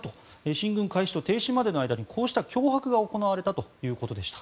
進軍開始と停止までの間にこうした脅迫が行われたということでした。